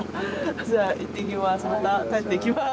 じゃあいってきます。